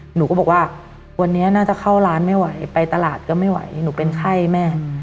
หนูก็บอกว่าวันนี้น่าจะเข้าร้านไม่ไหวไปตลาดก็ไม่ไหวหนูเป็นไข้แม่